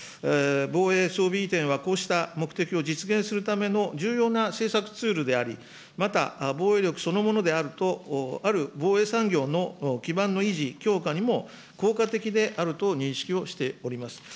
防衛装備移転は、こうした目的を実現するための重要な政策ツールであり、また防衛力そのものであると、ある防衛産業の基盤の維持強化にも効果的であると認識をしております。